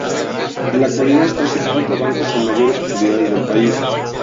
En la actualidad es el quinto banco con mayores utilidades del país.